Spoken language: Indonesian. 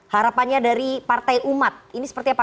harapannya dari partai umat ini seperti apa